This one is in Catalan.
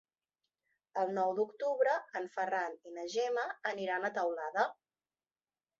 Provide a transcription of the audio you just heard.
El nou d'octubre en Ferran i na Gemma aniran a Teulada.